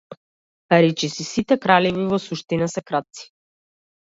Речиси сите кралеви во суштина се крадци.